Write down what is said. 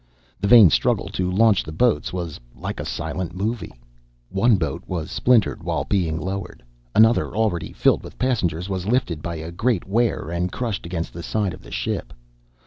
The vain struggle to launch the boats was like a silent movie. One boat was splintered while being lowered. Another, already filled with passengers, was lifted by a great ware and crushed against the side of the ship.